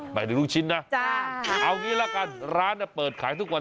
หมายถึงลูกชิ้นนะเอางี้ละกันร้านเปิดขายทุกวัน